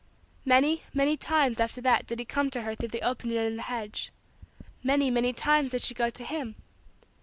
Many, many, times after that did he come to her through the opening in the hedge. Many, many, times did she go to him.